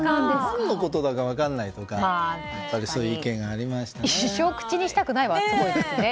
何のことだか分からないとかそんな意見がありましたね。